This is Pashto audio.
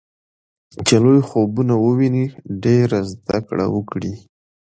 چې لوی خوبونه وويني ډېره زده کړه وکړي.